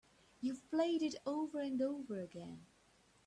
You've played it over and over again.